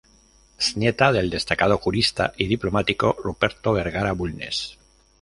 Es nieta del destacado jurista y diplomático Ruperto Vergara Bulnes.